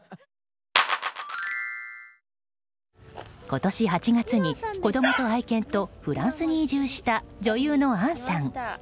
今年８月に子供と愛犬とフランスに移住した女優の杏さん。